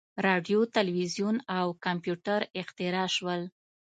• راډیو، تلویزیون او کمپیوټر اختراع شول.